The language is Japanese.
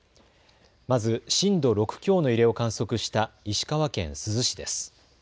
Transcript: まず震度６強の揺れを観測した石川県珠洲市です。